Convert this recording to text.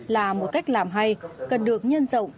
là một cách làm hay cần được nhân rộng